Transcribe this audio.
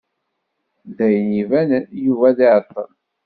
D ayen ibanen, Yuba ad iɛeṭṭel.